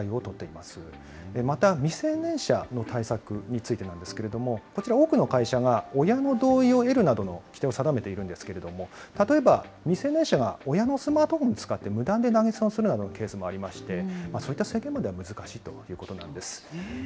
また、未成年者の対策についてなんですけれども、こちら、多くの会社が親の同意を得るなどの規定を定めているんですけれども、例えば、未成年者が親のスマートフォンを使って無断で投げ銭をするなどのケースもありまして、そういった制限までは難しいということなんです。